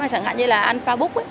chẳng hạn như là alphabook